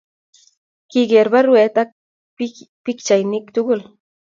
kigereer baruet ako pikchainikchi tugul